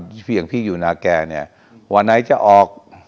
เพียงพี่อยู่นาแก่เนี่ยวันไหนจะออก